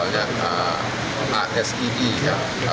otoritas jasa keuangan